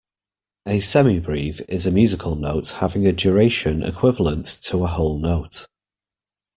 A semibrieve is a musical note having a duration equivalent to a whole note